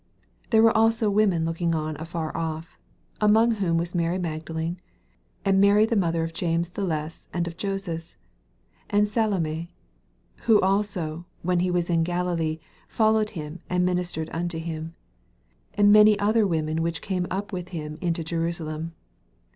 40 There were also women looking on afar off: among whom was Mary Magdalene, and Mary the mother of James the less and of Joses, and Sa lome ; 41 (Who also, when he was in Galilee, followed him and ministered unto him ;) and many other women which came up with him unto Jeru salem.